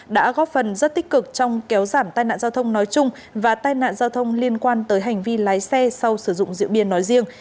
đã góp phần rất tích cực trong kéo giảm tai nạn giao thông nói chung và tai nạn giao thông liên quan tới hành vi lái xe sau sử dụng rượu bia nói riêng